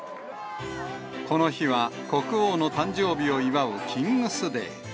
この日は国王の誕生日を祝うキングスデー。